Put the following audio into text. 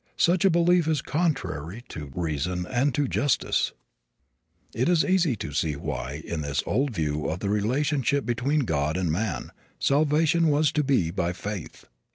Such a belief is contrary to reason and to justice. It is easy to see why, in this old view of the relationship between God and man, salvation was to be by faith.